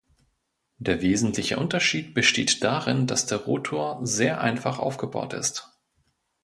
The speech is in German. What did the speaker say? Der wesentliche Unterschied besteht darin, dass der Rotor sehr einfach aufgebaut ist.